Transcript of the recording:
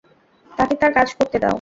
তাকে তার কাজ করতে দাও।